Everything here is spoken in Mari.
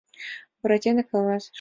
Буратино каласыш: